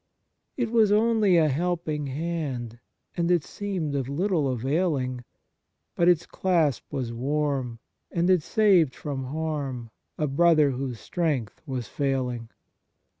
' It was only a helping hand. And it seemed of little availing ; But its clasp was warm, And it saved from harm A brother whose strength was failing.